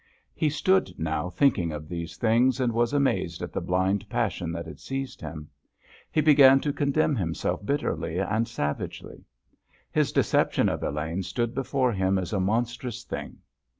He stood now thinking of these things, and was amazed at the blind passion that had seized him. He began to condemn himself bitterly and savagely. His deception of Elaine stood before him as a monstrous thing.